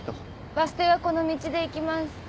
バス停はこの道で行きます。